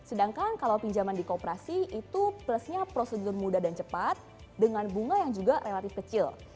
sedangkan kalau pinjaman di kooperasi itu plusnya prosedur mudah dan cepat dengan bunga yang juga relatif kecil